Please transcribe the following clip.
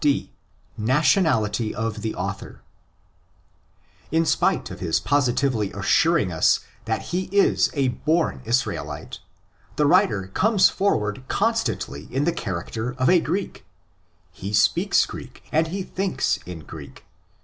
D.—Natwonality of the Author. In spite of his positively assuring us that he is a born Israelite, the writer comes forward constantly in the character of a Greek. He speaks Greek and he thinks in Greek.